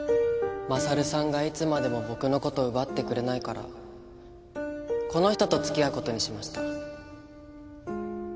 勝さんがいつまでも僕のこと奪ってくれないからこの人とつきあうことにしました。